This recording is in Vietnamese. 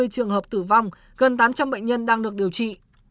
hai trăm hai mươi trường hợp tử vong gần tám trăm linh bệnh nhân đang được điều trị